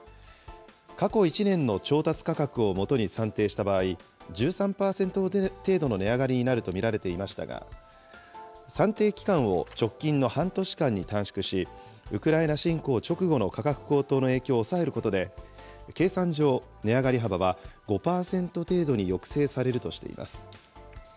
過去１年の調達価格をもとに算定した場合、１３％程度の値上がりになると見られていましたが、算定期間を直近の半年間に短縮し、ウクライナ侵攻直後の価格高騰の影響を抑えることで、計算上、値上がり幅は５％程度に抑制されるとしています。